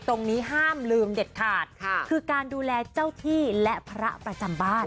ตรงนี้ห้ามลืมเด็ดขาดค่ะคือการดูแลเจ้าที่และพระประจำบ้าน